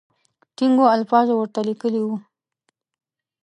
ټینګو الفاظو ورته لیکلي وو.